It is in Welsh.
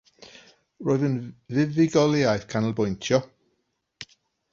Roedd yn fuddugoliaeth canolbwyntio.